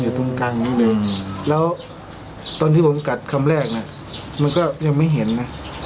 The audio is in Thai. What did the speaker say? อยู่ตรงกลางอย่างงี้เลยแล้วตอนที่ผมกัดคำแรกน่ะมันก็ยังไม่เห็นนะ